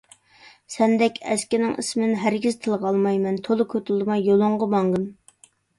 سەندەك ئەسكىنىڭ ئىسمىنى ھەرگىز تىلغا ئالمايمەن، تولا كوتۇلدىماي يولۇڭغا ماڭغىن!